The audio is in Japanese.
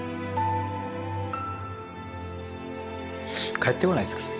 帰ってこないですからね。